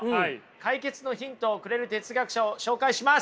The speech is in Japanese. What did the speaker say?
解決のヒントをくれる哲学者を紹介します。